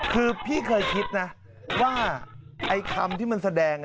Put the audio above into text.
คือพี่เคยคิดนะว่าไอ้คำที่มันแสดง